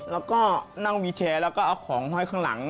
แล้วก็นั่งวิวแชร์แล้วก็เอาของห้อยข้างหลัง